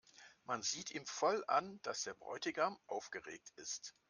Man sieht ihm voll an, dass der Bräutigam aufgeregt ist.